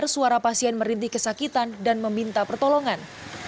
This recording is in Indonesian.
suara pasien merintih kesakitan dan meminta pertolongan